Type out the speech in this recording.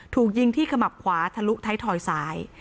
ถูกยิงที่ขมับขวาทะลุท้ายทอยซ้าย